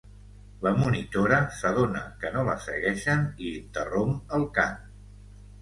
La monitora s'adona que no la segueixen i interromp el cant.